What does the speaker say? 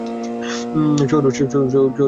শহুরের কথা-বার্তা বন্ধ কর।